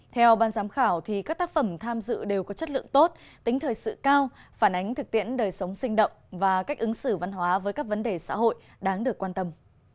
theo ban giám khảo các tác phẩm tham dự đều có chất lượng tốt tính thời sự cao phản ánh thực tiễn đời sống sinh động và cách ứng xử văn hóa với các vấn đề xã hội đáng được quan tâm